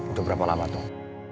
untuk berapa lama tuh